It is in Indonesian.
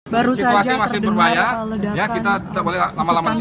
baru saja terdengar ledakan kita boleh lama lama disini